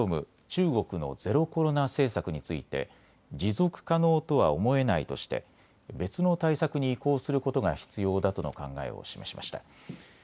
中国のゼロコロナ政策について持続可能とは思えないとして別の対策に移行することが必要だとの考えを示しました。